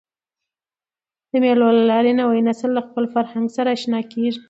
د مېلو له لاري نوی نسل له خپل فرهنګ سره اشنا کېږي.